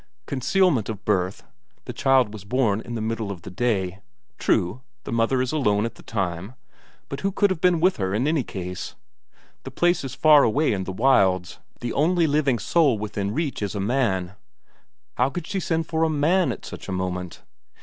Concealment of birth the child was born in the middle of the day. True, the mother is alone at the time but who could have been with her in any case? The place is far away in the wilds, the only living soul within reach is a man how could she send for a man at such a moment?